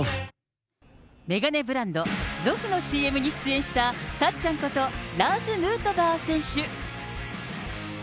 眼鏡ブランド、ゾフのＣＭに出演したたっちゃんこと、ラーズ・ヌートバー選手。